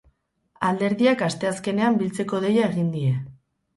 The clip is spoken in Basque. Alderdiak asteazkenean biltzeko deia egin die.